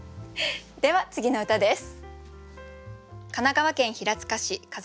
では次の歌です。